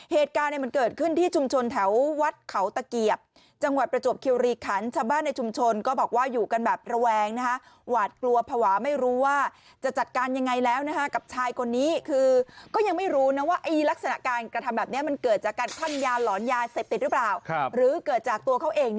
เหตุการณ์มันเกิดขึ้นที่ชุมชนแถววัดเขาตะเกียบจังหวัดประจวบคิวรีคันชาวบ้านในชุมชนก็บอกว่าอยู่กันแบบระแวงหวาดกลัวภาวะไม่รู้ว่าจะจัดการยังไงแล้วกับชายคนนี้คือก็ยังไม่รู้นะว่าลักษณะการกระทำแบบนี้มันเกิดจากการพั่นยาหลอนยาเสพติดหรือเปล่าหรือเกิดจากตัวเขาเอง